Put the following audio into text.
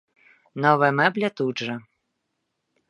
Новая мэбля тут жа.